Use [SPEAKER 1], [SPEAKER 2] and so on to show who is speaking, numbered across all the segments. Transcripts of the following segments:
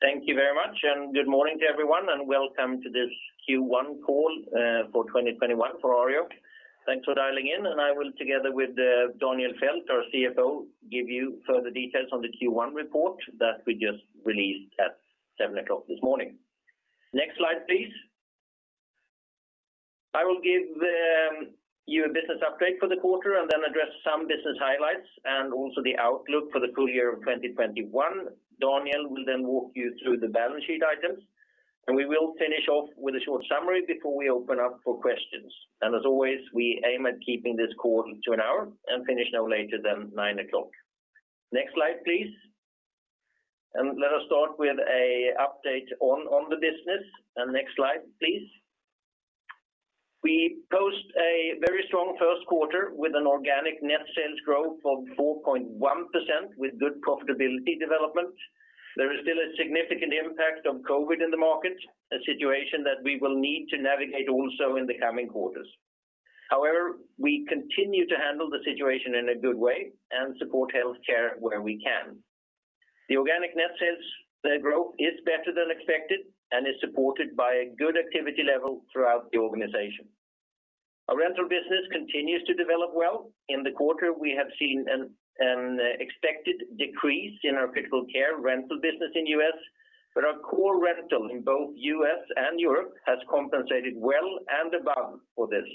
[SPEAKER 1] Thank you very much, good morning to everyone, welcome to this Q1 call for 2021 for Arjo. Thanks for dialing in, I will, together with Daniel Fäldt, our CFO, give you further details on the Q1 report that we just released at 7:00 this morning. Next slide, please. I will give you a business update for the quarter and then address some business highlights and also the outlook for the full-year of 2021. Daniel will then walk you through the balance sheet items, we will finish off with a short summary before we open up for questions. As always, we aim at keeping this call to one hour and finish no later than 9:00. Next slide, please. Let us start with an update on the business. Next slide, please. We post a very strong Q1 with an organic net sales growth of 4.1% with good profitability development. There is still a significant impact of COVID in the market, a situation that we will need to navigate also in the coming quarters. However, we continue to handle the situation in a good way and support healthcare where we can. The organic net sales growth is better than expected and is supported by a good activity level throughout the organization. Our rental business continues to develop well. In the quarter, we have seen an expected decrease in our critical care rental business in the U.S., but our core rental in both the U.S. and Europe has compensated well and above for this.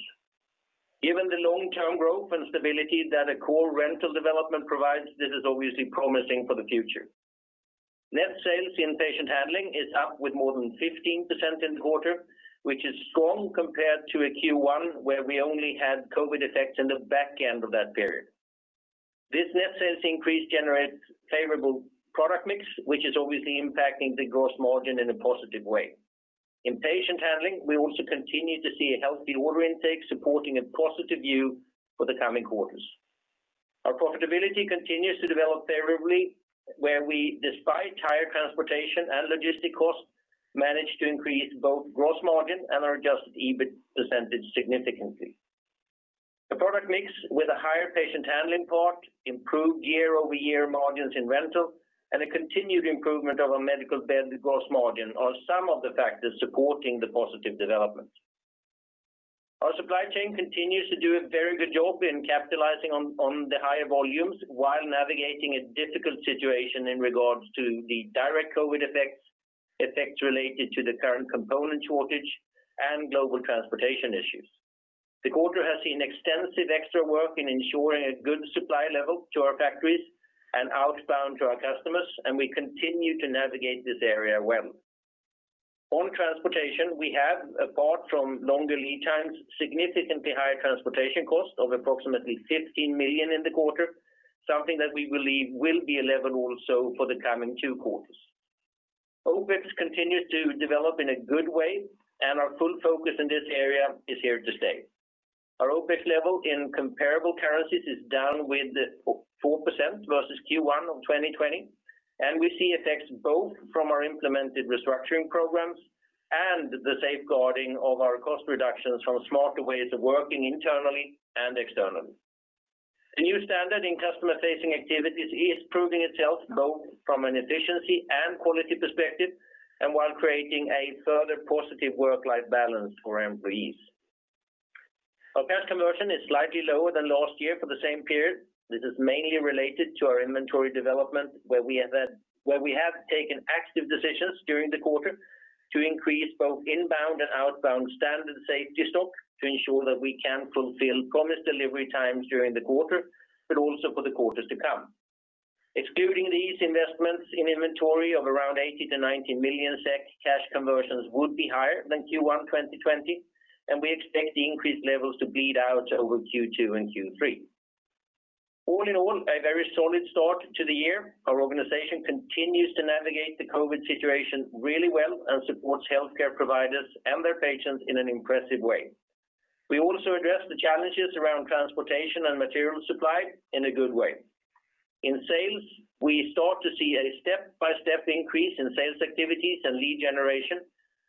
[SPEAKER 1] Given the long-term growth and stability that a core rental development provides, this is obviously promising for the future. Net sales in Patient Handling is up with more than 15% in the quarter, which is strong compared to a Q1 where we only had COVID effects in the back end of that period. This net sales increase generates favorable product mix, which is obviously impacting the gross margin in a positive way. In Patient Handling, we also continue to see a healthy order intake supporting a positive view for the coming quarters. Our profitability continues to develop favorably, where we, despite higher transportation and logistic costs, managed to increase both gross margin and our adjusted EBIT percentage significantly. The product mix with a higher Patient Handling part improved year-over-year margins in rental, and a continued improvement of our medical bed gross margin are some of the factors supporting the positive development. Our supply chain continues to do a very good job in capitalizing on the higher volumes while navigating a difficult situation in regards to the direct COVID effects related to the current component shortage, and global transportation issues. The quarter has seen extensive extra work in ensuring a good supply level to our factories and outbound to our customers, and we continue to navigate this area well. On transportation, we have, apart from longer lead times, significantly higher transportation costs of approximately 15 million in the quarter, something that we believe will be a level also for the coming two quarters. OpEx continues to develop in a good way, and our full focus in this area is here to stay. Our OpEx level in comparable currencies is down with 4% versus Q1 of 2020. We see effects both from our implemented restructuring programs and the safeguarding of our cost reductions from smarter ways of working internally and externally. A new standard in customer-facing activities is proving itself both from an efficiency and quality perspective and while creating a further positive work-life balance for employees. Our cash conversion is slightly lower than last year for the same period. This is mainly related to our inventory development, where we have taken active decisions during the quarter to increase both inbound and outbound standard safety stock to ensure that we can fulfill promised delivery times during the quarter, but also for the quarters to come. Excluding these investments in inventory of around 80 million-90 million SEK, cash conversions would be higher than Q1 2020, and we expect the increased levels to bleed out over Q2 and Q3. All in all, a very solid start to the year. Our organization continues to navigate the COVID situation really well and supports healthcare providers and their patients in an impressive way. We also address the challenges around transportation and material supply in a good way. In sales, we start to see a step-by-step increase in sales activities and lead generation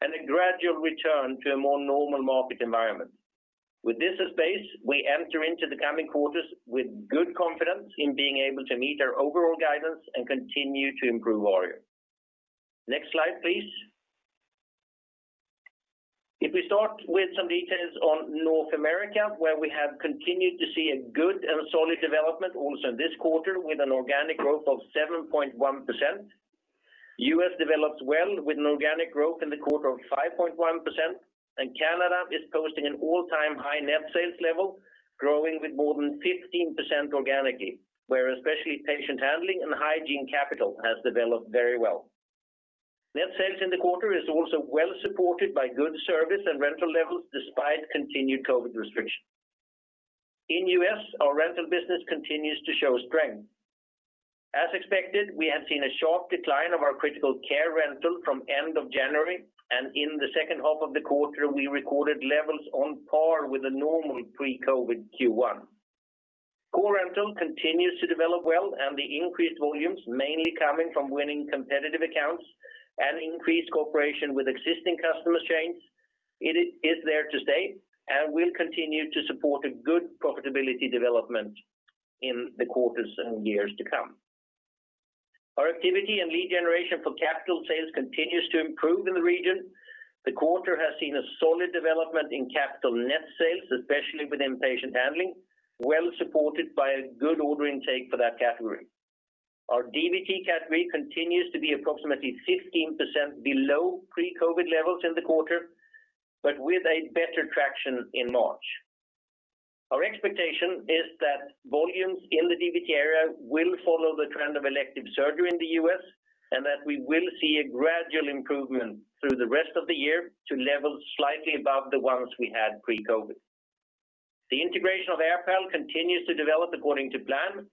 [SPEAKER 1] and a gradual return to a more normal market environment. With this as base, we enter into the coming quarters with good confidence in being able to meet our overall guidance and continue to improve Arjo. Next slide, please. If we start with some details on North America, where we have continued to see a good and solid development also this quarter with an organic growth of 7.1%. U.S. develops well with an organic growth in the quarter of 5.1%, and Canada is posting an all-time high net sales level, growing with more than 15% organically, where especially Patient Handling and Hygiene Capital has developed very well. Net sales in the quarter is also well supported by good service and rental levels despite continued COVID restrictions. In the U.S., our rental business continues to show strength. As expected, we have seen a sharp decline of our critical care rental from end of January, and in the H2 of the quarter, we recorded levels on par with the normal pre-COVID Q1. Core rental continues to develop well, and the increased volumes mainly coming from winning competitive accounts and increased cooperation with existing customer chains. It is there to stay and will continue to support a good profitability development. In the quarters and years to come. Our activity and lead generation for capital sales continues to improve in the region. The quarter has seen a solid development in capital net sales, especially with Patient Handling, well supported by a good order intake for that category. Our DVT category continues to be approximately 15% below pre-COVID levels in the quarter, but with a better traction in March. Our expectation is that volumes in the DVT area will follow the trend of elective surgery in the U.S. and that we will see a gradual improvement through the rest of the year to levels slightly above the ones we had pre-COVID. The integration of AirPal continues to develop according to plan,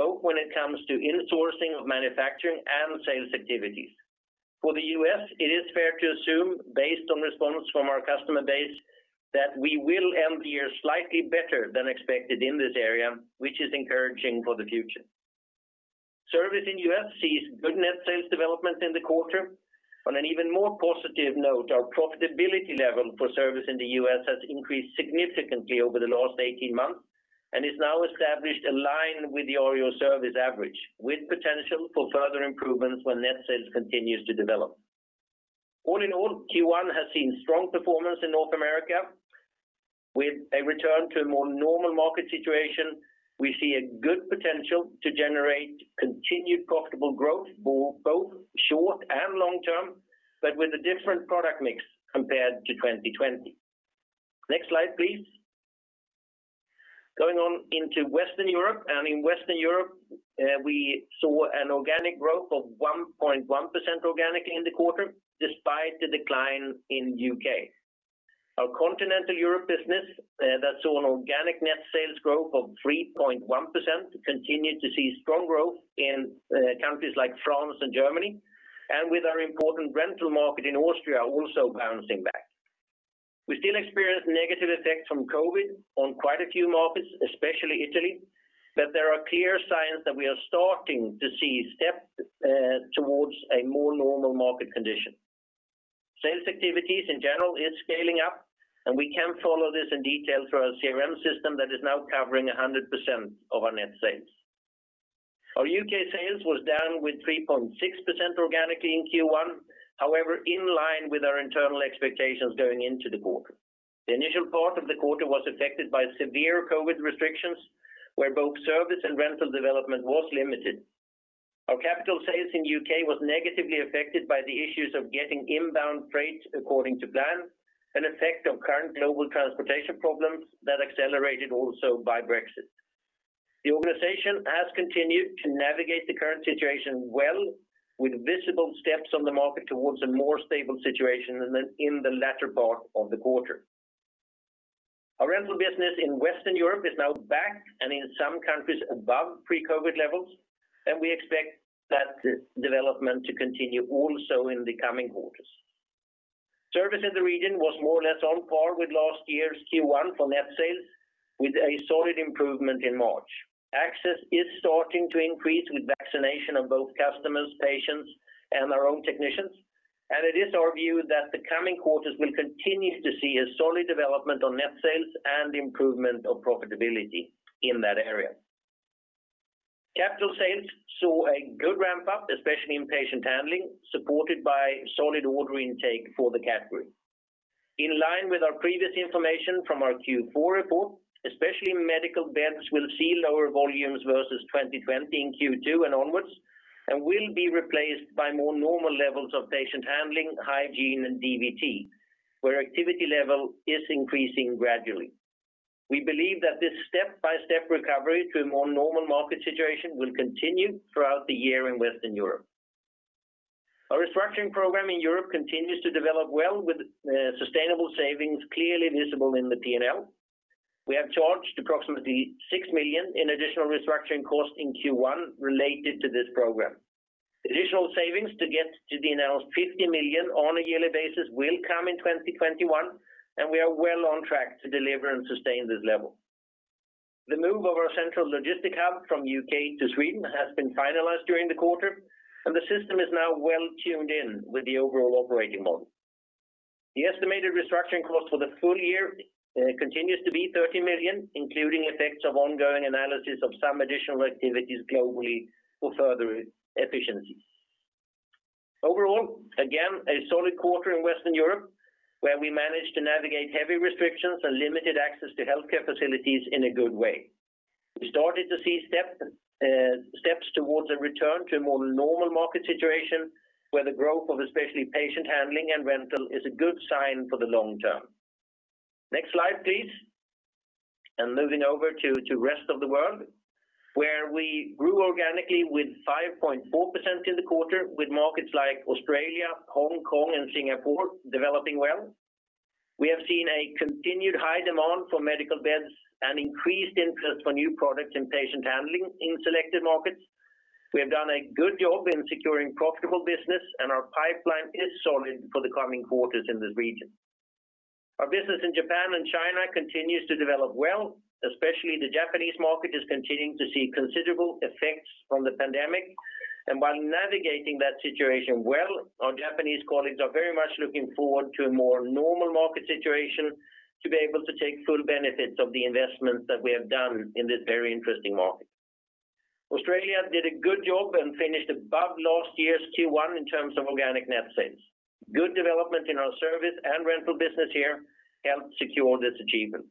[SPEAKER 1] both when it comes to insourcing of manufacturing and sales activities. For the U.S., it is fair to assume, based on response from our customer base, that we will end the year slightly better than expected in this area, which is encouraging for the future. Service in the U.S. sees good net sales development in the quarter. On an even more positive note, our profitability level for service in the U.S. has increased significantly over the last 18 months and has now established a line with the Arjo service average, with potential for further improvements when net sales continues to develop. All in all, Q1 has seen strong performance in North America with a return to a more normal market situation. We see a good potential to generate continued profitable growth for both short and long-term, but with a different product mix compared to 2020. Next slide, please. Going on into Western Europe. In Western Europe, we saw an organic growth of 1.1% organically in the quarter, despite the decline in the U.K. Our Continental Europe business that saw an organic net sales growth of 3.1%, continued to see strong growth in countries like France and Germany, and with our important rental market in Austria also bouncing back. We still experience negative effects from COVID on quite a few markets, especially Italy, but there are clear signs that we are starting to see steps towards a more normal market condition. Sales activities in general are scaling up, and we can follow this in detail through our CRM system that is now covering 100% of our net sales. Our U.K. sales were down with 3.6% organically in Q1, however, in line with our internal expectations going into the quarter. The initial part of the quarter was affected by severe COVID restrictions, where both service and rental development was limited. Our capital sales in the U.K. were negatively affected by the issues of getting inbound freight according to plan, an effect of current global transportation problems that accelerated also by Brexit. The organization has continued to navigate the current situation well, with visible steps on the market towards a more stable situation than in the latter part of the quarter. Our rental business in Western Europe is now back, and in some countries above pre-COVID levels, and we expect that development to continue also in the coming quarters. Service in the region was more or less on par with last year's Q1 for net sales, with a solid improvement in March. Access is starting to increase with vaccination of both customers, patients, and our own technicians, and it is our view that the coming quarters will continue to see a solid development on net sales and improvement of profitability in that area. Capital sales saw a good ramp-up, especially in Patient Handling, supported by solid order intake for the category. In line with our previous information from our Q4 report, especially medical beds will see lower volumes versus 2020 in Q2 and onwards and will be replaced by more normal levels of Patient Handling, Hygiene, and DVT, where activity level is increasing gradually. We believe that this step-by-step recovery to a more normal market situation will continue throughout the year in Western Europe. Our restructuring program in Europe continues to develop well, with sustainable savings clearly visible in the P&L. We have charged approximately 6 million in additional restructuring costs in Q1 related to this program. Additional savings to get to the announced 50 million on a yearly basis will come in 2021. We are well on track to deliver and sustain this level. The move of our central logistic hub from the U.K. to Sweden has been finalized during the quarter, and the system is now well tuned in with the overall operating model. The estimated restructuring cost for the full year continues to be 30 million, including effects of ongoing analysis of some additional activities globally for further efficiency. Overall, again, a solid quarter in Western Europe, where we managed to navigate heavy restrictions and limited access to healthcare facilities in a good way. We started to see steps towards a return to a more normal market situation, where the growth of especially Patient Handling and rental is a good sign for the long-term. Next slide, please. Moving over to rest of the world, where we grew organically with 5.4% in the quarter, with markets like Australia, Hong Kong, and Singapore developing well. We have seen a continued high demand for medical beds and increased interest for new products in Patient Handling in selected markets. We have done a good job in securing profitable business, and our pipeline is solid for the coming quarters in this region. Our business in Japan and China continues to develop well. Especially the Japanese market is continuing to see considerable effects from the pandemic. While navigating that situation well, our Japanese colleagues are very much looking forward to a more normal market situation to be able to take full benefits of the investments that we have done in this very interesting market. Australia did a good job and finished above last year's Q1 in terms of organic net sales. Good development in our service and rental business here helped secure this achievement.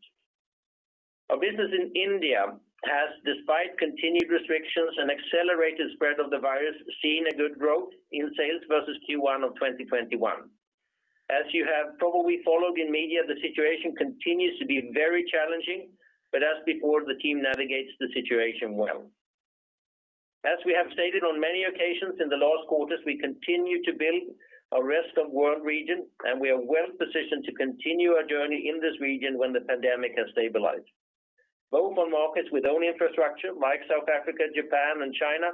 [SPEAKER 1] Our business in India has, despite continued restrictions and accelerated spread of the virus, seen a good growth in sales versus Q1 of 2020. As you have probably followed in media, the situation continues to be very challenging, but as before, the team navigates the situation well. As we have stated on many occasions in the last quarters, we continue to build our rest of world region, and we are well-positioned to continue our journey in this region when the pandemic has stabilized. Both on markets with own infrastructure like South Africa, Japan, and China,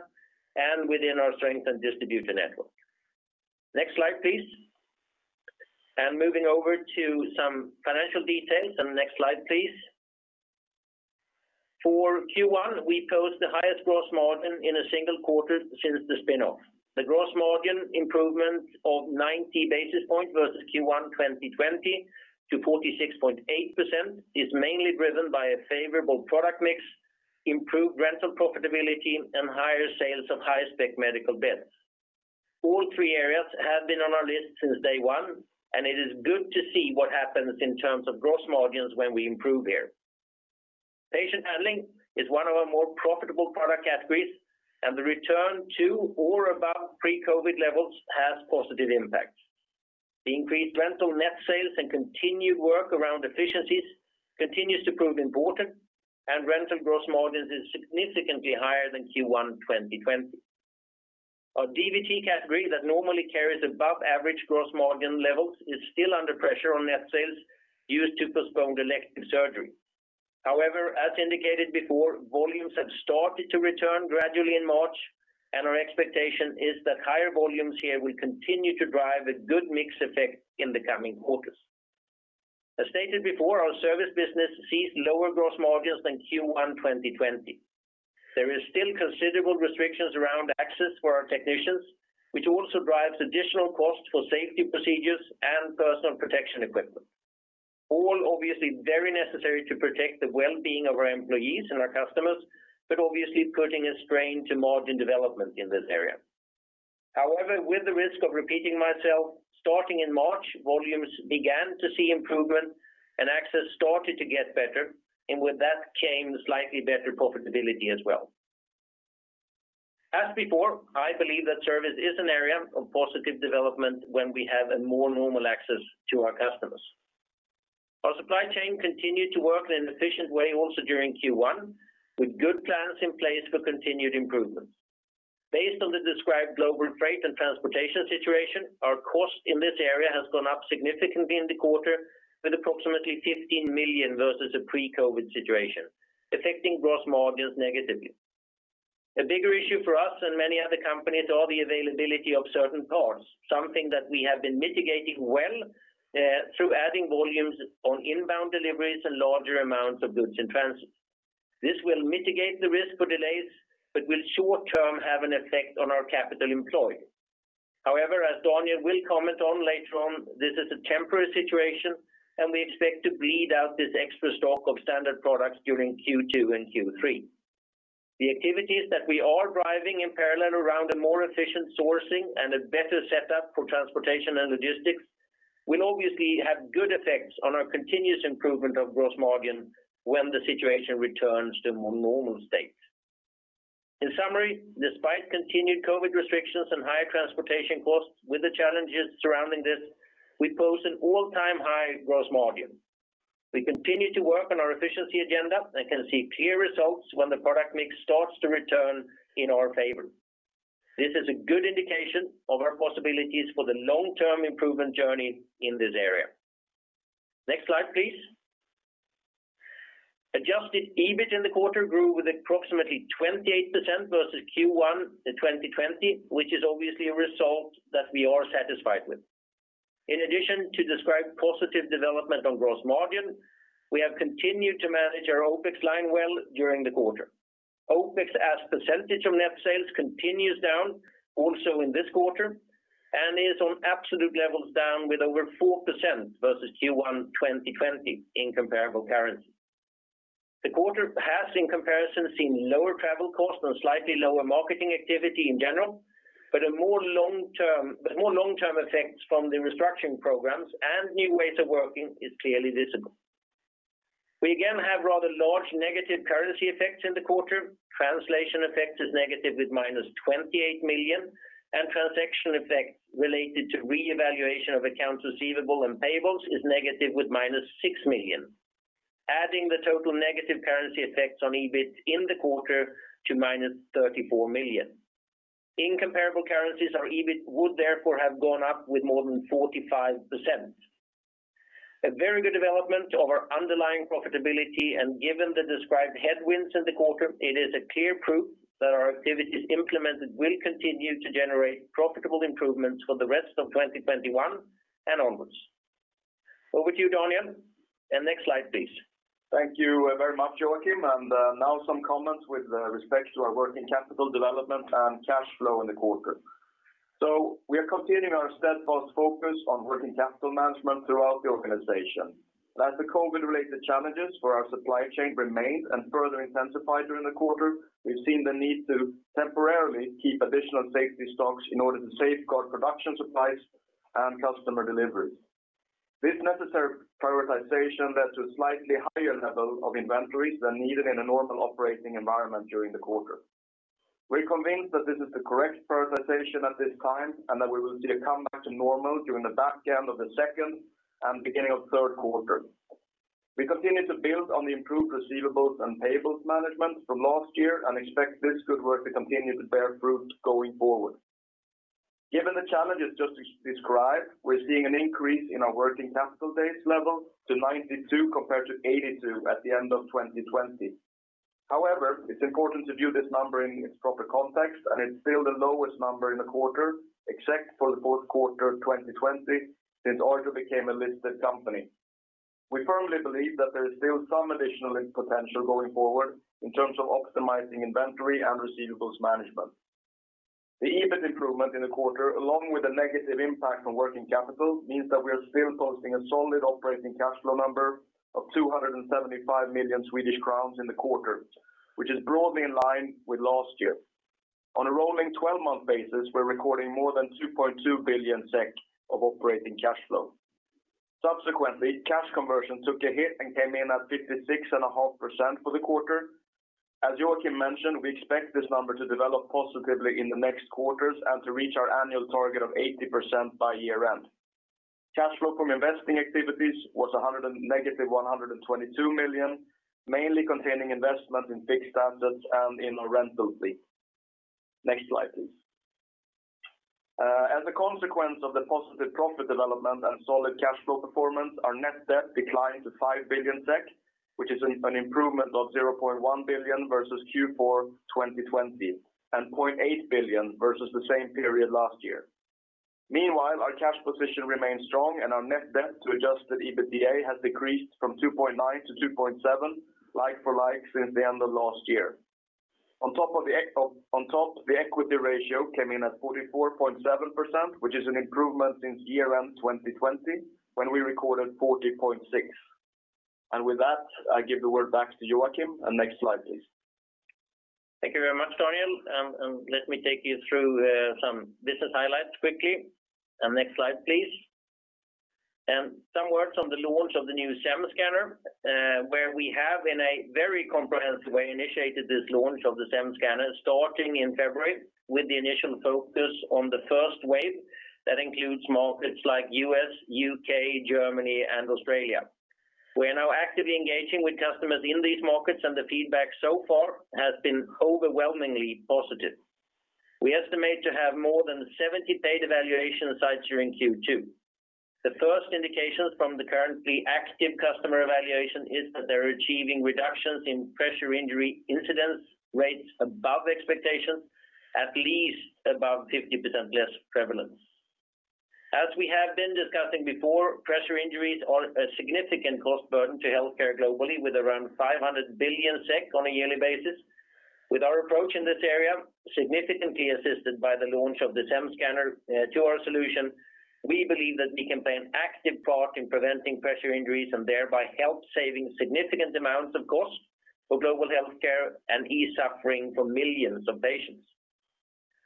[SPEAKER 1] and within our strengthened distributor network. Next slide, please. Moving over to some financial details on the next slide, please. For Q1, we post the highest gross margin in a single quarter since the spinoff. The gross margin improvement of 90 basis points versus Q1 2020 to 46.8% is mainly driven by a favorable product mix, improved rental profitability, and higher sales of higher spec medical beds. All three areas have been on our list since day one, and it is good to see what happens in terms of gross margins when we improve here. Patient Handling is one of our more profitable product categories, and the return to or above pre-COVID levels has positive impacts. The increased rental net sales and continued work around efficiencies continues to prove important, and rental gross margins is significantly higher than Q1 2020. Our DVT category that normally carries above average gross margin levels is still under pressure on net sales due to postponed elective surgery. As indicated before, volumes have started to return gradually in March, and our expectation is that higher volumes here will continue to drive a good mix effect in the coming quarters. As stated before, our service business sees lower gross margins than Q1 2020. There is still considerable restrictions around access for our technicians, which also drives additional costs for safety procedures and personal protection equipment. All obviously very necessary to protect the well-being of our employees and our customers, but obviously putting a strain to margin development in this area. However, with the risk of repeating myself, starting in March, volumes began to see improvement and access started to get better, and with that came slightly better profitability as well. As before, I believe that service is an area of positive development when we have a more normal access to our customers. Our supply chain continued to work in an efficient way also during Q1, with good plans in place for continued improvements. Based on the described global freight and transportation situation, our cost in this area has gone up significantly in the quarter with approximately 15 million versus a pre-COVID situation, affecting gross margins negatively. A bigger issue for us and many other companies are the availability of certain parts, something that we have been mitigating well, through adding volumes on inbound deliveries and larger amounts of goods in transit. This will mitigate the risk for delays, but will short term have an effect on our capital employed. As Daniel will comment on later on, this is a temporary situation, and we expect to bleed out this extra stock of standard products during Q2 and Q3. The activities that we are driving in parallel around a more efficient sourcing and a better setup for transportation and logistics will obviously have good effects on our continuous improvement of gross margin when the situation returns to a more normal state. In summary, despite continued COVID restrictions and higher transportation costs with the challenges surrounding this, we post an all-time high gross margin. We continue to work on our efficiency agenda and can see clear results when the product mix starts to return in our favor. This is a good indication of our possibilities for the long-term improvement journey in this area. Next slide, please. Adjusted EBIT in the quarter grew with approximately 28% versus Q1 in 2020, which is obviously a result that we are satisfied with. In addition to described positive development on gross margin, we have continued to manage our OpEx line well during the quarter. OpEx as a percentage of net sales continues down also in this quarter, and is on absolute levels down with over 4% versus Q1 2020 in comparable currency. The quarter has, in comparison, seen lower travel costs and slightly lower marketing activity in general, but a more long-term effects from the restructuring programs and new ways of working is clearly visible. We again have rather large negative currency effects in the quarter. Translation effect is negative with minus 28 million, and transaction effect related to revaluation of accounts receivable and payables is negative with minus 6 million. Adding the total negative currency effects on EBIT in the quarter to minus 34 million. In comparable currencies, our EBIT would therefore have gone up with more than 45%. A very good development of our underlying profitability, given the described headwinds in the quarter, it is a clear proof that our activities implemented will continue to generate profitable improvements for the rest of 2021 and onwards. Over to you, Daniel. Next slide, please.
[SPEAKER 2] Thank you very much, Joacim. Now some comments with respect to our working capital development and cash flow in the quarter. We are continuing our steadfast focus on working capital management throughout the organization. As the COVID-related challenges for our supply chain remained and further intensified during the quarter, we've seen the need to temporarily keep additional safety stocks in order to safeguard production supplies and customer deliveries. This necessary prioritization led to a slightly higher level of inventories than needed in a normal operating environment during the quarter. We're convinced that this is the correct prioritization at this time, and that we will see a comeback to normal during the back end of the second and beginning of Q3. We continue to build on the improved receivables and payables management from last year and expect this good work to continue to bear fruit going forward. Given the challenges just described, we're seeing an increase in our working capital days level to 92 compared to 82 at the end of 2020. However, it's important to view this number in its proper context, and it's still the lowest number in the quarter, except for the Q4 2020, since Arjo became a listed company. We firmly believe that there is still some additional potential going forward in terms of optimizing inventory and receivables management. The EBIT improvement in the quarter, along with the negative impact on working capital, means that we are still posting a solid operating cash flow number of 275 million Swedish crowns in the quarter, which is broadly in line with last year. On a rolling 12-month basis, we're recording more than 2.2 billion SEK of operating cash flow. Subsequently, cash conversion took a hit and came in at 56.5% for the quarter. As Joacim mentioned, we expect this number to develop positively in the next quarters and to reach our annual target of 80% by year end. Cash flow from investing activities was negative 122 million, mainly containing investment in fixed assets and in our rental fleet. Next slide, please. As a consequence of the positive profit development and solid cash flow performance, our net debt declined to 5 billion SEK, which is an improvement of 0.1 billion versus Q4 2020, and 0.8 billion versus the same period last year. Meanwhile, our cash position remains strong, and our net debt to adjusted EBITDA has decreased from 2.9 to 2.7, like for like since the end of last year. On top, the equity ratio came in at 44.7%, which is an improvement since year-end 2020, when we recorded 40.6%. With that, I give the word back to Joacim. Next slide, please.
[SPEAKER 1] Thank you very much, Daniel. Let me take you through some business highlights quickly. Next slide, please. Some words on the launch of the new SEM scanner, where we have, in a very comprehensive way, initiated this launch of the SEM scanner starting in February with the initial focus on the first wave that includes markets like U.S., U.K., Germany, and Australia. We are now actively engaging with customers in these markets, and the feedback so far has been overwhelmingly positive. We estimate to have more than 70 paid evaluation sites during Q2. The first indications from the currently active customer evaluation is that they're achieving reductions in pressure injury incidence rates above expectations, at least about 50% less prevalence. As we have been discussing before, pressure injuries are a significant cost burden to healthcare globally, with around 500 billion SEK on a yearly basis. With our approach in this area, significantly assisted by the launch of the SEM scanner to our solution, we believe that we can play an active part in preventing pressure injuries and thereby help saving significant amounts of cost for global healthcare and suffering for millions of patients.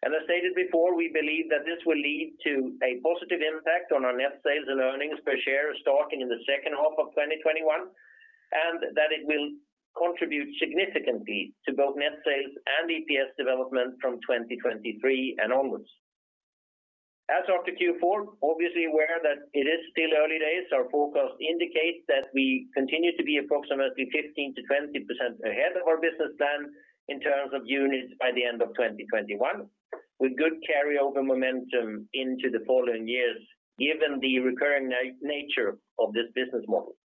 [SPEAKER 1] As stated before, we believe that this will lead to a positive impact on our net sales and earnings per share starting in the H2 of 2021, and that it will contribute significantly to both net sales and EPS development from 2023 and onwards. After Q4, obviously aware that it is still early days, our forecast indicates that we continue to be approximately 15%-20% ahead of our business plan in terms of units by the end of 2021, with good carryover momentum into the following years given the recurring nature of this business model.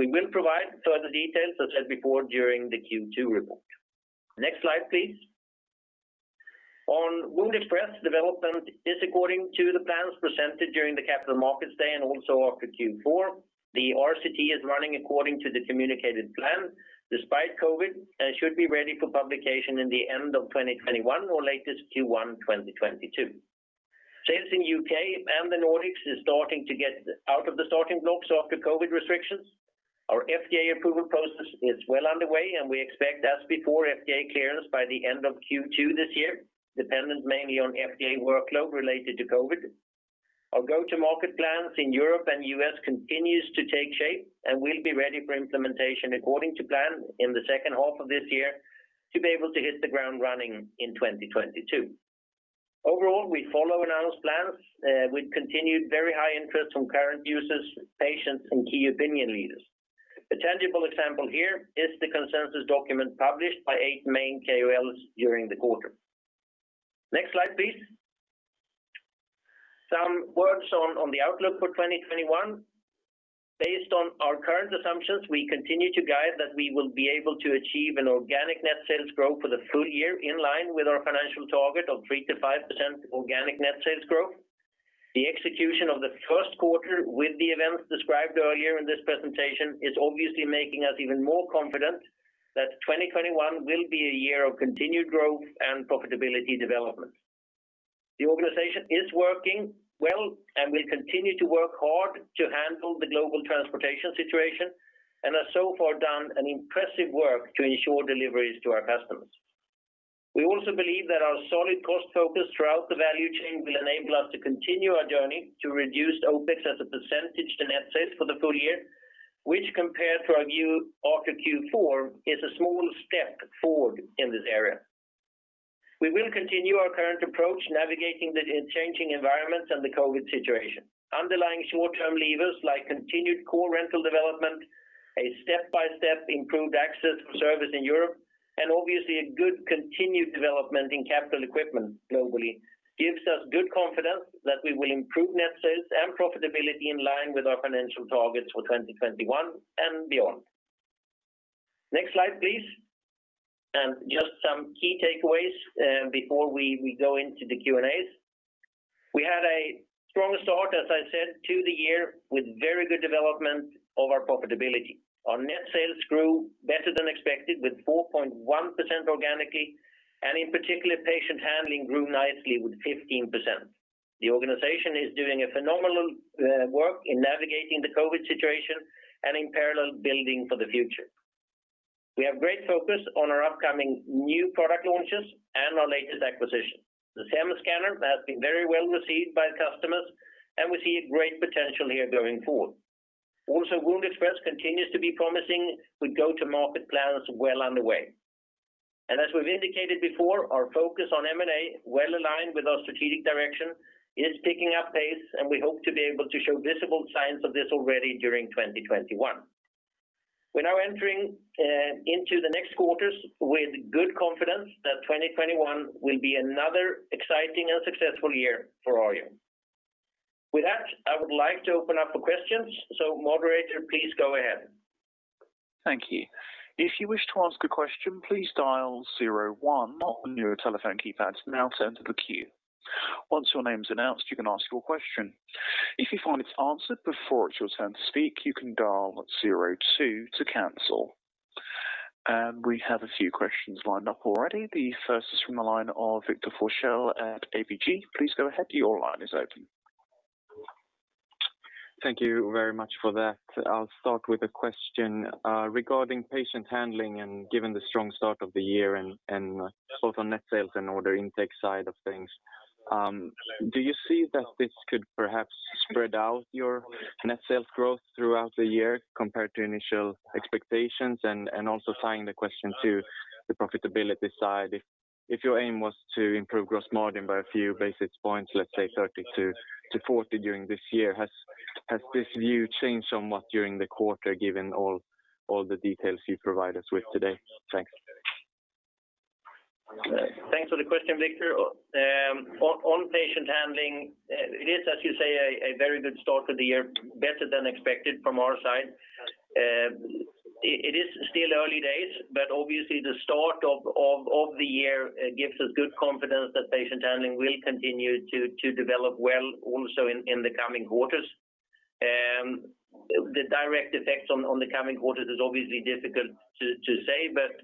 [SPEAKER 1] We will provide further details, as said before, during the Q2 report. Next slide, please. WoundExpress development is according to the plans presented during the Capital Markets Day and also after Q4. The RCT is running according to the communicated plan despite COVID, and should be ready for publication in the end of 2021 or latest Q1 2022. Sales in U.K. and the Nordics is starting to get out of the starting blocks after COVID restrictions. Our FDA approval process is well underway, and we expect, as before, FDA clearance by the end of Q2 this year, dependent mainly on FDA workload related to COVID. Our go-to-market plans in Europe and U.S. continues to take shape, and we'll be ready for implementation according to plan in the H2 of this year to be able to hit the ground running in 2022. Overall, we follow announced plans with continued very high interest from current users, patients, and key opinion leaders. A tangible example here is the consensus document published by eight main KOLs during the quarter. Next slide, please. Some words on the outlook for 2021. Based on our current assumptions, we continue to guide that we will be able to achieve an organic net sales growth for the full year in line with our financial target of 3%-5% organic net sales growth. The execution of the Q1 with the events described earlier in this presentation is obviously making us even more confident that 2021 will be a year of continued growth and profitability development. The organization is working well, will continue to work hard to handle the global transportation situation, has so far done an impressive work to ensure deliveries to our customers. We also believe that our solid cost focus throughout the value chain will enable us to continue our journey to reduce OpEx as a percentage to net sales for the full year, which compared to our view after Q4, is a small step forward in this area. We will continue our current approach navigating the changing environments and the COVID situation. Underlying short-term levers like continued core rental development, a step-by-step improved access for service in Europe, and obviously a good continued development in capital equipment globally gives us good confidence that we will improve net sales and profitability in line with our financial targets for 2021 and beyond. Next slide, please. Just some key takeaways before we go into the Q&As. We had a strong start, as I said, to the year, with very good development of our profitability. Our net sales grew better than expected with 4.1% organically. In particular, Patient Handling grew nicely with 15%. The organization is doing a phenomenal work in navigating the COVID situation and in parallel building for the future. We have great focus on our upcoming new product launches and our latest acquisition. The SEM scanner has been very well received by the customers. We see a great potential here going forward. WoundExpress continues to be promising, with go-to-market plans well underway. As we've indicated before, our focus on M&A, well aligned with our strategic direction, is picking up pace, and we hope to be able to show visible signs of this already during 2021. We're now entering into the next quarters with good confidence that 2021 will be another exciting and successful year for Arjo. With that, I would like to open up for questions. moderator, please go ahead.
[SPEAKER 3] Thank you. If you wish to ask a question, please dial zero one on your telephone keypads to be added to the queue. Once your name's announced, you can ask your question. If you find it's answered before it's your turn to speak, you can dial zero two to cancel. We have a few questions lined up already. The first is from the line of Victor Forssell at ABG. Please go ahead. Your line is open.
[SPEAKER 4] Thank you very much for that. I'll start with a question regarding Patient Handling and given the strong start of the year and both on net sales and order intake side of things. Do you see that this could perhaps spread out your net sales growth throughout the year compared to initial expectations? Also tying the question to the profitability side, if your aim was to improve gross margin by a few basis points, let's say 30 basis points-40 basis points during this year, has this view changed somewhat during the quarter given all the details you've provided us with today? Thanks.
[SPEAKER 1] Thanks for the question, Victor. On Patient Handling, it is, as you say, a very good start to the year, better than expected from our side. It is still early days, but obviously the start of the year gives us good confidence that Patient Handling will continue to develop well also in the coming quarters. The direct effects on the coming quarters is obviously difficult to say, but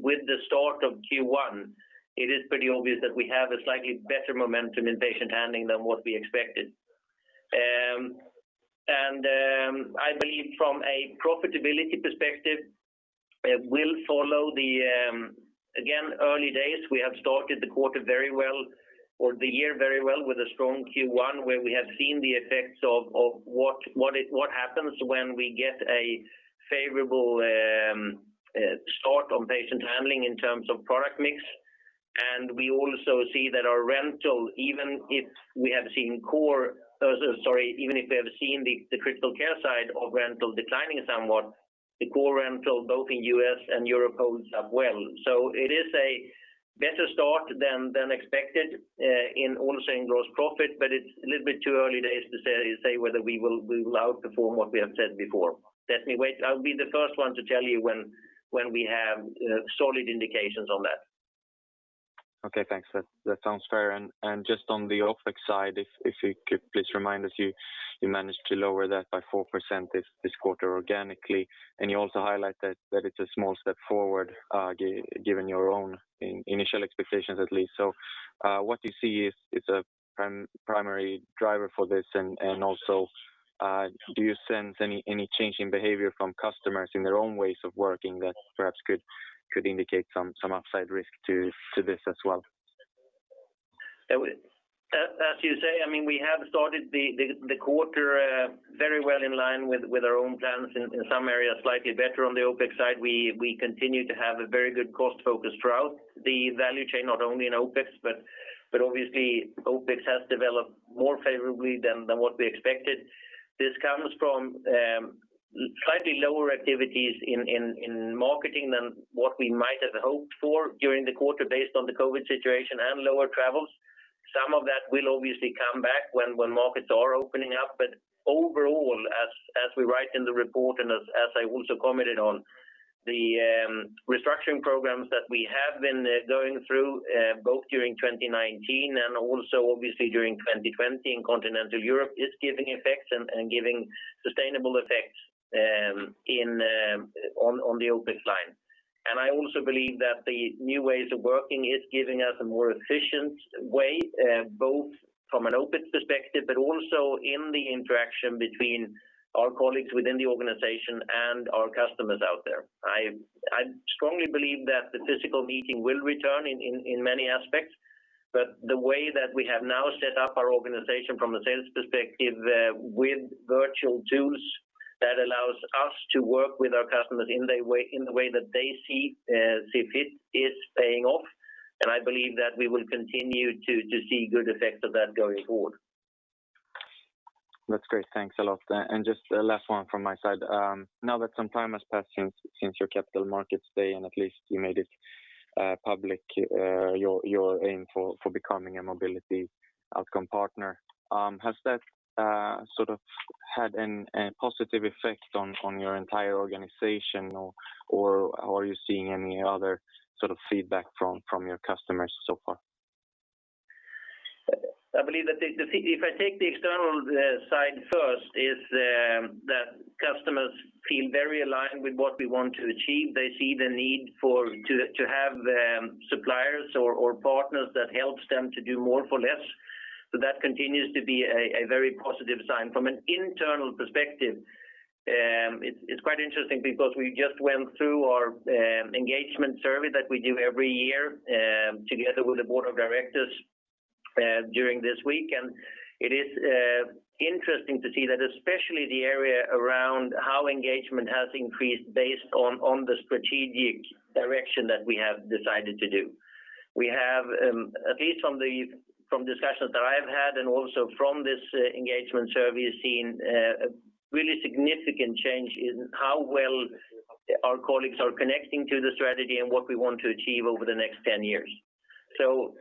[SPEAKER 1] with the start of Q1, it is pretty obvious that we have a slightly better momentum in Patient Handling than what we expected. I believe from a profitability perspective, we'll follow the, again, early days. We have started the quarter very well or the year very well with a strong Q1 where we have seen the effects of what happens when we get a favorable start on Patient Handling in terms of product mix. We also see that our rental, even if we have seen the critical care side of rental declining somewhat, the core rental both in U.S. and Europe holds up well. It is a better start than expected in also in gross profit, but it's a little bit too early days to say whether we will outperform what we have said before. Let me wait. I'll be the first one to tell you when we have solid indications on that.
[SPEAKER 4] Okay, thanks. That sounds fair. Just on the OpEx side, if you could please remind us, you managed to lower that by 4% this quarter organically, and you also highlight that it's a small step forward, given your own initial expectations at least. What you see is a primary driver for this and also, do you sense any changing behavior from customers in their own ways of working that perhaps could indicate some upside risk to this as well?
[SPEAKER 1] As you say, we have started the quarter very well in line with our own plans. In some areas, slightly better on the OpEx side. We continue to have a very good cost focus throughout the value chain, not only in OpEx. Obviously OpEx has developed more favorably than what we expected. This comes from slightly lower activities in marketing than what we might have hoped for during the quarter based on the COVID situation and lower travels. Some of that will obviously come back when markets are opening up. Overall, as we write in the report and as I also commented on. The restructuring programs that we have been going through both during 2019 and also obviously during 2020 in Continental Europe is giving effects and giving sustainable effects on the OpEx line. I also believe that the new ways of working is giving us a more efficient way both from an OpEx perspective, but also in the interaction between our colleagues within the organization and our customers out there. I strongly believe that the physical meeting will return in many aspects, but the way that we have now set up our organization from a sales perspective with virtual tools that allows us to work with our customers in the way that they see fit is paying off, and I believe that we will continue to see good effects of that going forward.
[SPEAKER 4] That's great. Thanks a lot. Just a last one from my side. Now that some time has passed since your Capital Markets Day, and at least you made it public your aim for becoming a Mobility Outcome Partner, has that had a positive effect on your entire organization or are you seeing any other feedback from your customers so far?
[SPEAKER 1] I believe that if I take the external side first is that customers feel very aligned with what we want to achieve. They see the need to have suppliers or partners that helps them to do more for less. That continues to be a very positive sign. From an internal perspective, it's quite interesting because we just went through our engagement survey that we do every year together with the board of directors during this week. It is interesting to see that especially the area around how engagement has increased based on the strategic direction that we have decided to do. We have at least from discussions that I've had and also from this engagement survey, seen a really significant change in how well our colleagues are connecting to the strategy and what we want to achieve over the next 10 years.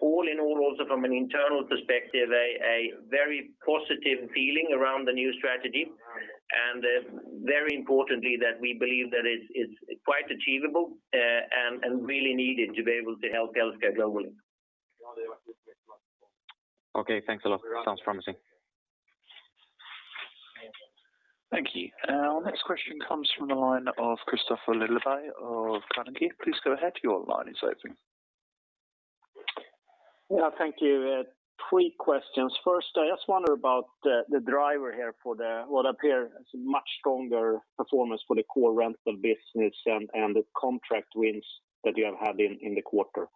[SPEAKER 1] All in all, also from an internal perspective, a very positive feeling around the new strategy, and very importantly, that we believe that it's quite achievable and really needed to be able to help healthcare globally.
[SPEAKER 4] Okay, thanks a lot. Sounds promising.
[SPEAKER 3] Thank you. Our next question comes from the line of Kristofer Liljeberg of Carnegie. Please go ahead.
[SPEAKER 5] Yeah, thank you. Three questions. First, I just wonder about the driver here for what appears as a much stronger performance for the core rental business and the contract wins that you have had in the quarter?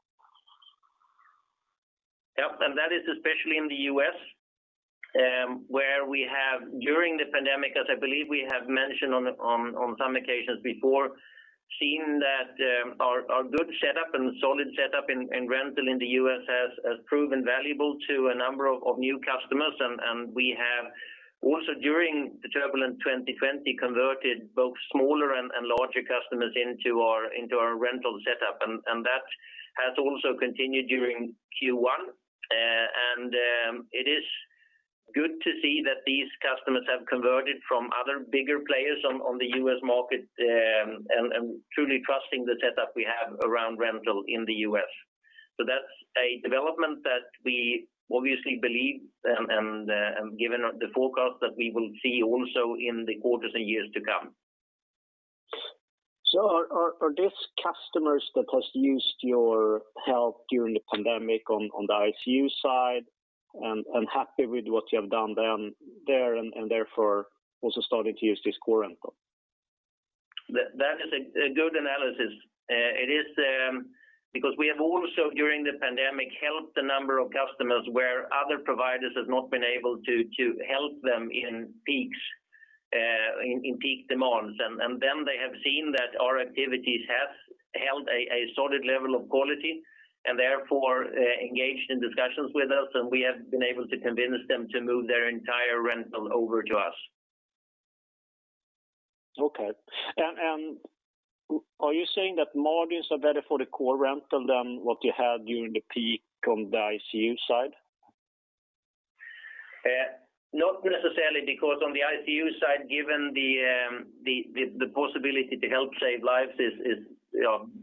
[SPEAKER 1] Yep. That is especially in the U.S. where we have, during the pandemic, as I believe we have mentioned on some occasions before, seen that our good setup and solid setup in rental in the U.S. has proven valuable to a number of new customers. We have also during the turbulent 2020 converted both smaller and larger customers into our rental setup. That has also continued during Q1. It is good to see that these customers have converted from other bigger players on the U.S. market and truly trusting the setup we have around rental in the U.S. That's a development that we obviously believe and given the forecast that we will see also in the quarters and years to come.
[SPEAKER 5] Are these customers that has used your help during the pandemic on the ICU side and happy with what you have done there and therefore also starting to use this core rental?
[SPEAKER 1] That is a good analysis. It is because we have also during the pandemic helped a number of customers where other providers have not been able to help them in peak demands. Then they have seen that our activities have held a solid level of quality and therefore engaged in discussions with us and we have been able to convince them to move their entire rental over to us.
[SPEAKER 5] Okay. Are you saying that margins are better for the core rental than what you had during the peak on the ICU side?
[SPEAKER 1] Not necessarily because on the ICU side, given the possibility to help save lives is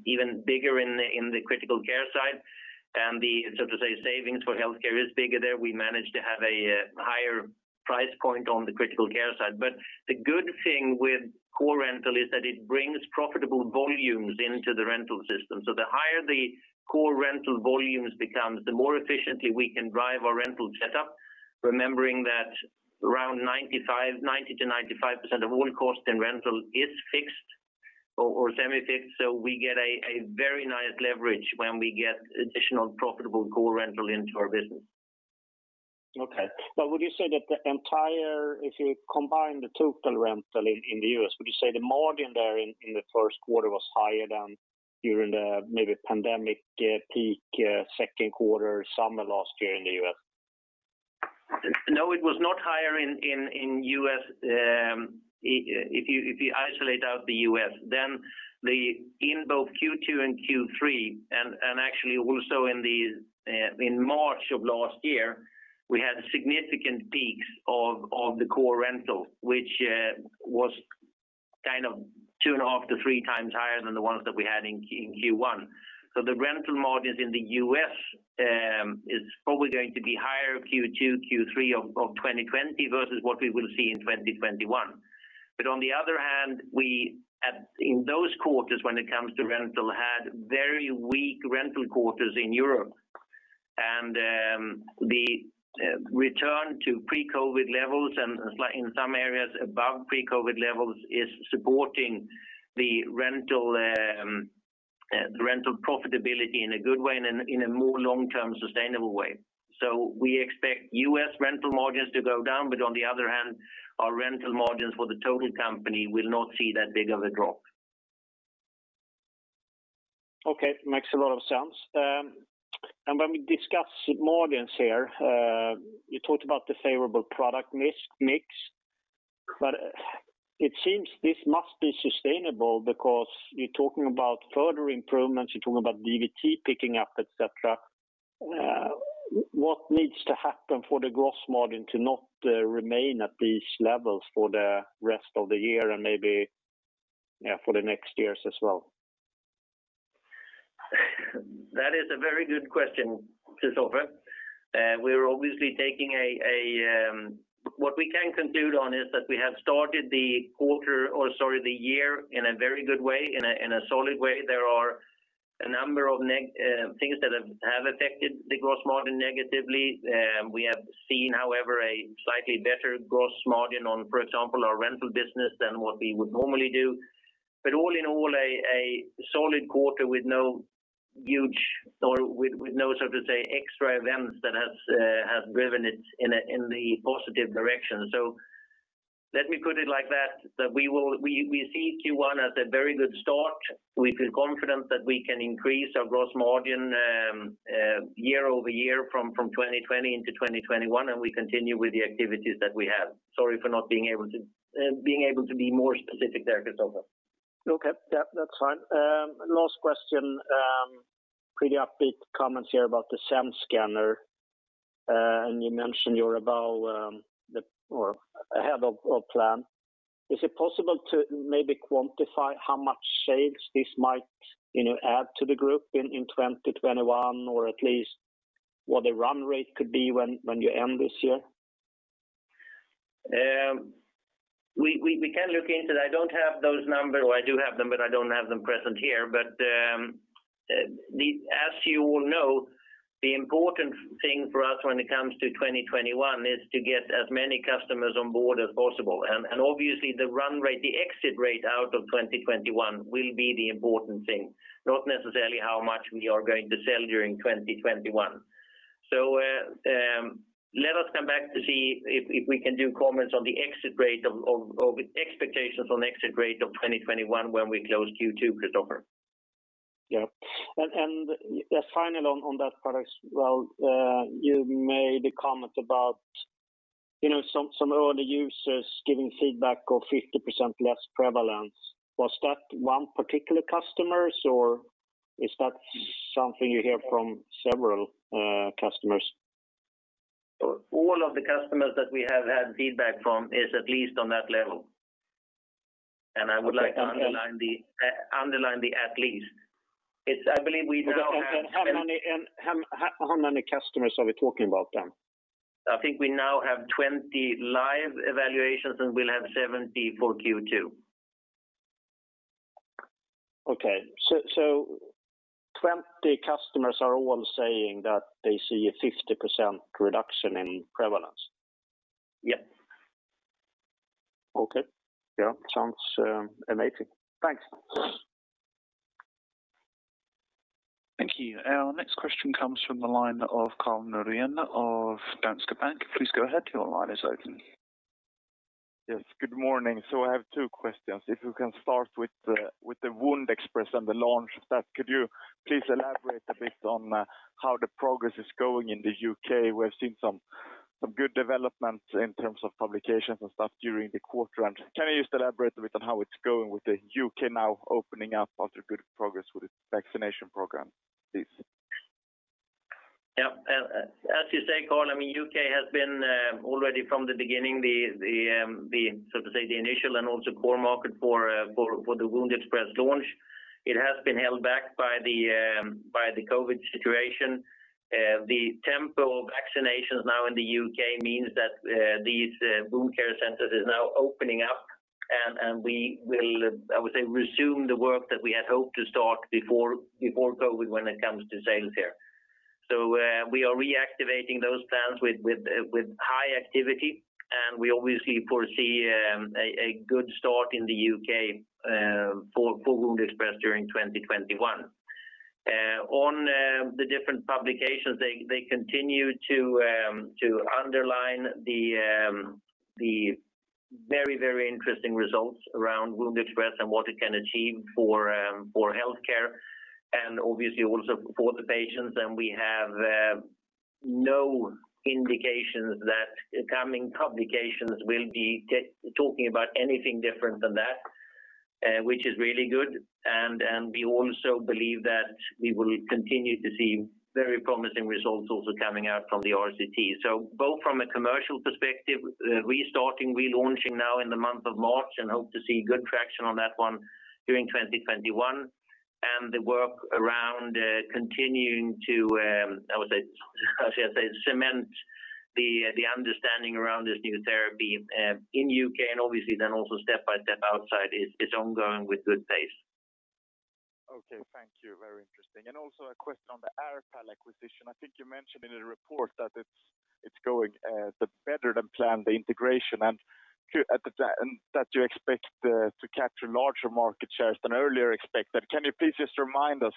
[SPEAKER 1] even bigger in the critical care side and the, so to say, savings for healthcare is bigger there. We managed to have a higher price point on the critical care side. The good thing with core rental is that it brings profitable volumes into the rental system. The higher the core rental volumes becomes, the more efficiently we can drive our rental setup, remembering that around 90%-95% of all cost in rental is fixed or semi-fixed. We get a very nice leverage when we get additional profitable core rental into our business.
[SPEAKER 5] Okay. Would you say that the entire, if you combine the total rental in the U.S., would you say the margin there in the Q1 was higher than during the maybe pandemic peak Q2, summer last year in the U.S.?
[SPEAKER 1] No, it was not higher in U.S. If you isolate out the U.S., in both Q2 and Q3, and actually also in March of last year, we had significant peaks of the core rental, which was kind of 2x, 3x higher than the ones that we had in Q1. The rental margins in the U.S. is probably going to be higher Q2, Q3 of 2020 versus what we will see in 2021. On the other hand, we, in those quarters when it comes to rental, had very weak rental quarters in Europe. The return to pre-COVID levels and in some areas above pre-COVID levels is supporting the rental profitability in a good way, and in a more long-term sustainable way. We expect U.S. rental margins to go down, but on the other hand, our rental margins for the total company will not see that big of a drop.
[SPEAKER 5] Okay, makes a lot of sense. When we discuss margins here, you talked about the favorable product mix, but it seems this must be sustainable because you're talking about further improvements, you're talking about DVT picking up, et cetera. What needs to happen for the gross margin to not remain at these levels for the rest of the year and maybe for the next years as well?
[SPEAKER 1] That is a very good question, Kristofer. What we can conclude on is that we have started the year in a very good way, in a solid way. There are a number of things that have affected the gross margin negatively. We have seen, however, a slightly better gross margin on, for example, our rental business than what we would normally do. All in all, a solid quarter with no huge, or with no, so to say, extra events that has driven it in the positive direction. Let me put it like that we see Q1 as a very good start. We feel confident that we can increase our gross margin year-over-year from 2020 into 2021, and we continue with the activities that we have. Sorry for not being able to be more specific there, Kristofer.
[SPEAKER 5] Okay. Yeah, that's fine. Last question. Pretty upbeat comments here about the SEM scanner, and you mentioned you're above or ahead of plan. Is it possible to maybe quantify how much sales this might add to the group in 2021 or at least what the run rate could be when you end this year?
[SPEAKER 1] We can look into it. I don't have those numbers, or I do have them, but I don't have them present here. As you all know, the important thing for us when it comes to 2021 is to get as many customers on board as possible. Obviously the run rate, the exit rate out of 2021 will be the important thing, not necessarily how much we are going to sell during 2021. Let us come back to see if we can do comments on the exit rate or expectations on exit rate of 2021 when we close Q2, Kristofer.
[SPEAKER 5] Yeah. Final on that product as well, you made a comment about some early users giving feedback of 50% less prevalence. Was that one particular customer, or is that something you hear from several customers?
[SPEAKER 1] All of the customers that we have had feedback from is at least on that level. I would like to underline the at least.
[SPEAKER 5] How many customers are we talking about then?
[SPEAKER 1] I think we now have 20 live evaluations, and we'll have 70 for Q2.
[SPEAKER 5] Okay. 20 customers are all saying that they see a 50% reduction in prevalence?
[SPEAKER 1] Yeah.
[SPEAKER 5] Okay. Yeah. Sounds amazing. Thanks.
[SPEAKER 3] Thank you. Our next question comes from the line of Karl Norén of Danske Bank. Please go ahead. Your line is open.
[SPEAKER 6] Yes, good morning. I have two questions. If you can start with the WoundExpress and the launch of that. Could you please elaborate a bit on how the progress is going in the U.K.? We've seen some good developments in terms of publications and stuff during the quarter. Can you just elaborate a bit on how it's going with the U.K. now opening up after good progress with its vaccination program, please?
[SPEAKER 1] As you say, Karl, U.K. has been already from the beginning the, so to say, the initial and also core market for the WoundExpress launch. It has been held back by the COVID situation. The tempo of vaccinations now in the U.K. means that these wound care centers is now opening up, and we will, I would say, resume the work that we had hoped to start before COVID when it comes to sales here. We are reactivating those plans with high activity, and we obviously foresee a good start in the U.K. for WoundExpress during 2021. On the different publications, they continue to underline the very interesting results around WoundExpress and what it can achieve for healthcare and obviously also for the patients. We have no indications that the coming publications will be talking about anything different than that, which is really good. We also believe that we will continue to see very promising results also coming out from the RCT. Both from a commercial perspective, restarting, relaunching now in the month of March, and we hope to see good traction on that one during 2021. The work around continuing to, how should I say, cement the understanding around this new therapy in U.K. and obviously then also step-by-step outside is ongoing with good pace.
[SPEAKER 6] Okay, thank you. Very interesting. Also a question on the AirPal acquisition. I think you mentioned in the report that it's going better than planned, the integration, and that you expect to capture larger market shares than earlier expected. Can you please just remind us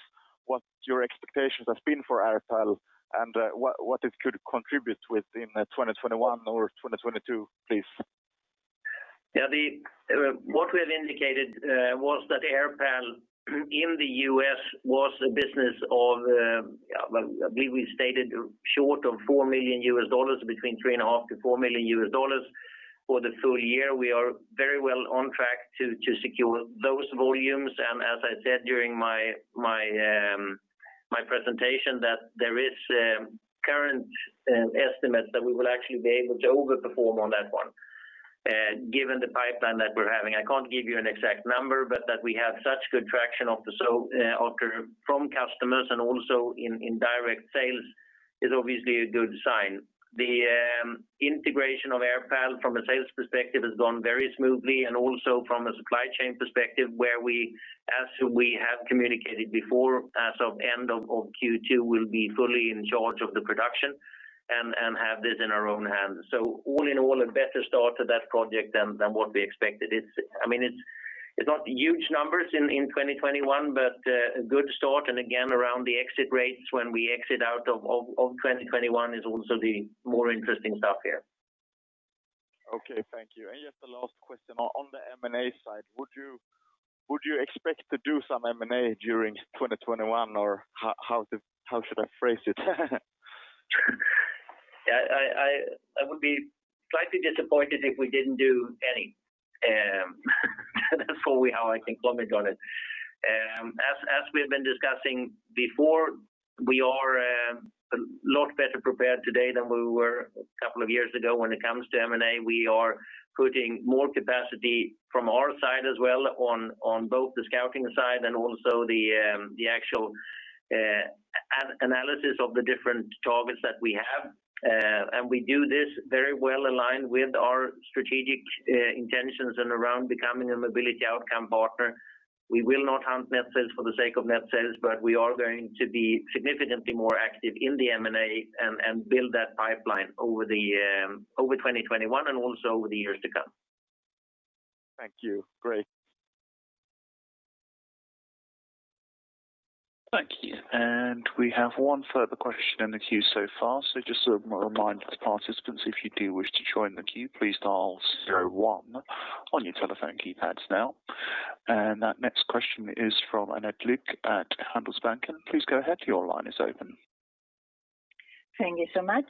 [SPEAKER 6] what your expectations have been for AirPal and what it could contribute with in 2021 or 2022, please?
[SPEAKER 1] What we have indicated was that AirPal in the U.S. was a business of, well, I believe we stated short of $4 million, between $3.5 million-$4 million for the full year. We are very well on track to secure those volumes. As I said during my presentation, that there is current estimates that we will actually be able to over-perform on that one given the pipeline that we're having. I can't give you an exact number, but that we have such good traction from customers and also in direct sales is obviously a good sign. The integration of AirPal from a sales perspective has gone very smoothly and also from a supply chain perspective where, as we have communicated before, as of end of Q2 we'll be fully in charge of the production and have this in our own hands. All in all, a better start to that project than what we expected. It's not huge numbers in 2021, but a good start. Again, around the exit rates when we exit out of 2021 is also the more interesting stuff here.
[SPEAKER 6] Okay, thank you. Just a last question on the M&A side. Would you expect to do some M&A during 2021, or how should I phrase it?
[SPEAKER 1] I would be slightly disappointed if we didn't do any. That's all how I can comment on it. As we've been discussing before, we are a lot better prepared today than we were a couple of years ago when it comes to M&A. We are putting more capacity from our side as well on both the scouting side and also the actual analysis of the different targets that we have. We do this very well aligned with our strategic intentions and around becoming a mobility outcome partner. We will not hunt net sales for the sake of net sales, but we are going to be significantly more active in the M&A and build that pipeline over 2021 and also over the years to come.
[SPEAKER 6] Thank you. Great.
[SPEAKER 3] Thank you. We have one further question in the queue so far. Just a reminder to participants, if you do wish to join the queue, please dial zero one on your telephone keypads now. That next question is from Anette Lykke at Handelsbanken. Please go ahead. Your line is open.
[SPEAKER 7] Thank you so much.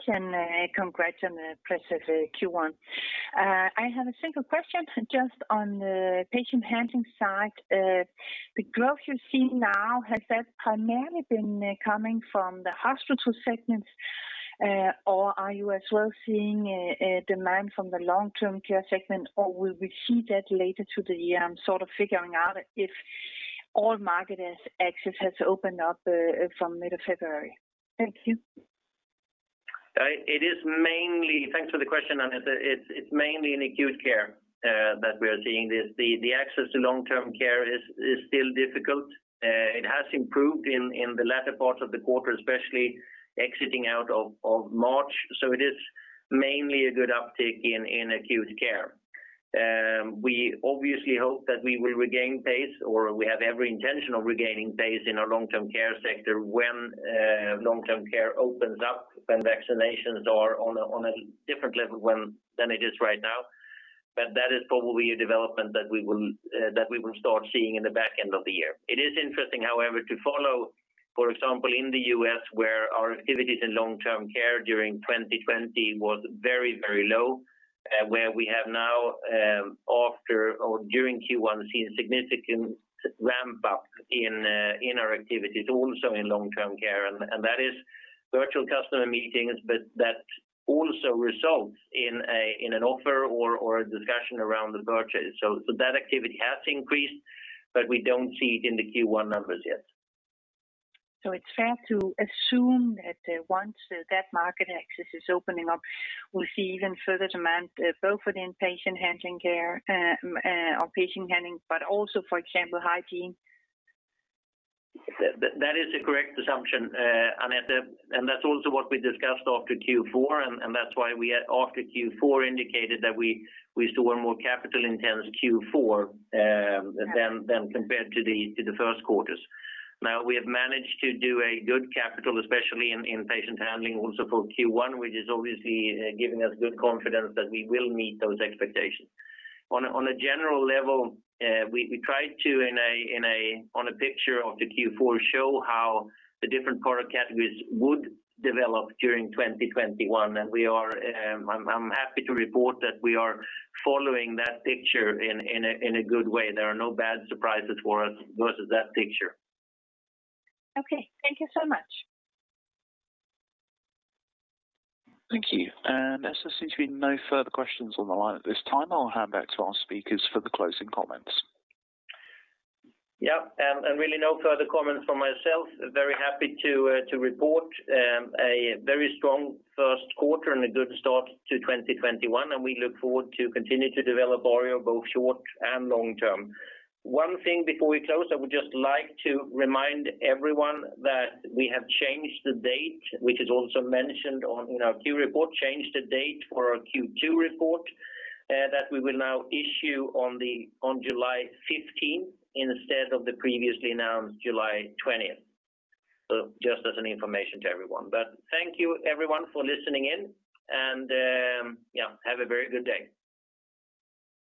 [SPEAKER 7] Congrats on the impressive Q1. I have a single question just on the Patient Handling side. The growth you're seeing now, has that primarily been coming from the hospital segments? Are you as well seeing a demand from the long-term care segment? Will we see that later to the year, sort of figuring out if all market access has opened up from mid of February? Thank you.
[SPEAKER 1] Thanks for the question, Anette. It's mainly in acute care that we are seeing this. The access to long-term care is still difficult. It has improved in the latter part of the quarter, especially exiting out of March. It is mainly a good uptick in acute care. We obviously hope that we will regain pace, or we have every intention of regaining pace in our long-term care sector when long-term care opens up, when vaccinations are on a different level than it is right now. That is probably a development that we will start seeing in the back end of the year. It is interesting, however, to follow, for example, in the U.S., where our activities in long-term care during 2020 was very low, where we have now after or during Q1 seen significant ramp-up in our activities also in long-term care. That is virtual customer meetings, but that also results in an offer or a discussion around the purchase. That activity has increased, but we don't see it in the Q1 numbers yet.
[SPEAKER 7] It's fair to assume that once that market access is opening up, we'll see even further demand both within Patient Handling care or Patient Handling, but also, for example, Hygiene?
[SPEAKER 1] That is a correct assumption, Anette, and that's also what we discussed after Q4, and that's why we after Q4 indicated that we saw a more capital-intense Q4 than compared to the Q1s. Now we have managed to do a good capital, especially in Patient Handling also for Q1, which is obviously giving us good confidence that we will meet those expectations. On a general level, we tried to on a picture of the Q4 show how the different product categories would develop during 2021. I'm happy to report that we are following that picture in a good way. There are no bad surprises for us versus that picture.
[SPEAKER 7] Okay. Thank you so much.
[SPEAKER 3] Thank you. As there seems to be no further questions on the line at this time, I'll hand back to our speakers for the closing comments.
[SPEAKER 1] Yeah. Really no further comments from myself. Very happy to report a very strong Q1 and a good start to 2021. We look forward to continue to develop Arjo both short and long term. One thing before we close, I would just like to remind everyone that we have changed the date, which is also mentioned in our Q1 report, changed the date for our Q2 report that we will now issue on July 15th instead of the previously announced July 20th. Just as an information to everyone. Thank you everyone for listening in and yeah, have a very good day.